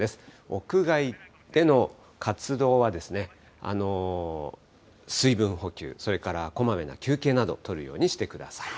屋外での活動は水分補給、それからこまめな休憩などをとるようにしてください。